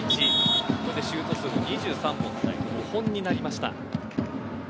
ここでシュート数は２３本対５本になりました。